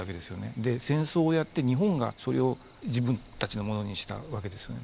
で戦争をやって日本がそれを自分たちのものにしたわけですよね。